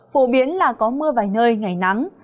phổ biến là có mưa vài nơi ngày nắng